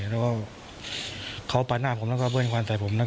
แล้วก็เขาปาดหน้าผมแล้วก็เบิ้ความใส่ผม